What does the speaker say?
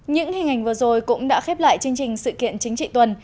những hình ảnh vừa rồi cũng đã khép lại chương trình sự kiện chính trị tuần